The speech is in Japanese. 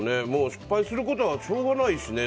失敗することはしょうがないしね。